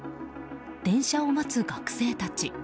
電車を待つ学生たち。